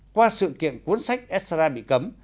qua sự kiện cuốn sách estrada bị cấm